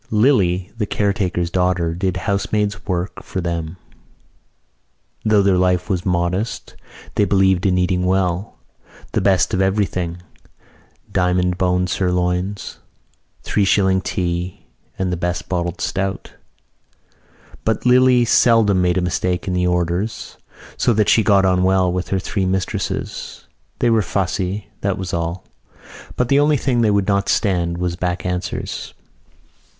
Lily, the caretaker's daughter, did housemaid's work for them. Though their life was modest they believed in eating well; the best of everything: diamond bone sirloins, three shilling tea and the best bottled stout. But Lily seldom made a mistake in the orders so that she got on well with her three mistresses. They were fussy, that was all. But the only thing they would not stand was back answers.